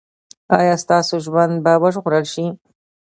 ایا ستاسو ژوند به وژغورل شي؟